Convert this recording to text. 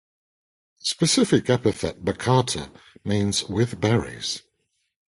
The specific epithet "baccata" means "with berries.